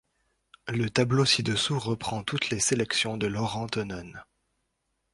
Le tableau ci-dessous reprend toutes les sélections de Laurent Theunen.